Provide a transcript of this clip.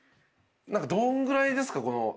どんぐらいですか？